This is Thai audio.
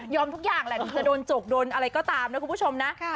ทุกอย่างแหละถึงจะโดนจกโดนอะไรก็ตามนะคุณผู้ชมนะ